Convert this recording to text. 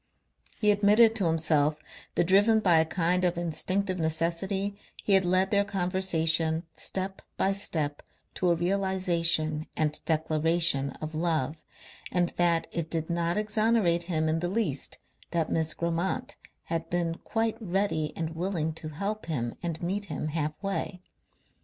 He admitted to himself that driven by a kind of instinctive necessity he had led their conversation step by step to a realization and declaration of love, and that it did not exonerate him in the least that Miss Grammont had been quite ready and willing to help him and meet him half way.